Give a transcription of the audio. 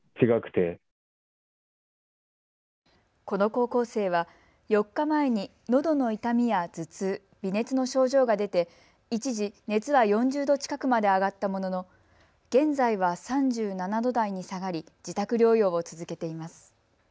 この高校生は４日前にのどの痛みや頭痛、微熱の症状が出て一時、熱は４０度近くまで上がったものの現在は３７度台に下がり、自宅療養を続けています。